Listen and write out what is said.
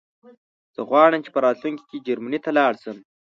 زه غواړم چې په راتلونکي کې جرمنی ته لاړ شم